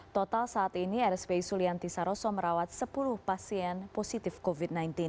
total saat ini rspi sulianti saroso merawat sepuluh pasien positif covid sembilan belas